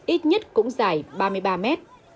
ít nhất cũng dài ba mươi ba mét